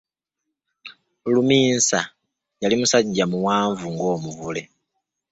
Luminsa yali musajja muwanvu ng'omuvule.